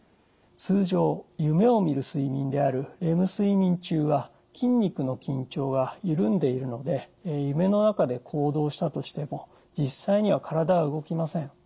通常夢をみる睡眠であるレム睡眠中は筋肉の緊張がゆるんでいるので夢の中で行動したとしても実際には体は動きません。